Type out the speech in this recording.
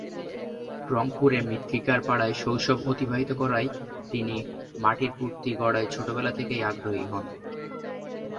রংপুরে মৃত্তিকার পাড়ায় শৈশব অতিবাহিত করায় তিনি মাটির মূর্তি গড়ায় ছোটবেলা থেকেই আগ্রহী হন।